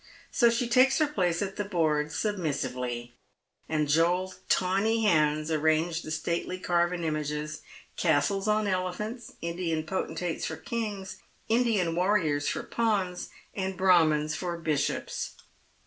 so she takes her place at tne board submissively, and Joel'a tawny hands arrange the stately carven images, castles on elephants, Indian potentates for kings, Indian warriors for pawns, and Brahmins for bishops.